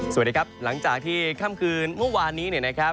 สวัสดีครับหลังจากที่ค่ำคืนเมื่อวานนี้